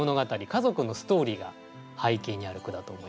家族のストーリーが背景にある句だと思います。